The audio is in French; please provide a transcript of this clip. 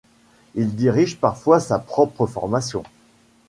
Il dirige parfois sa propre formation.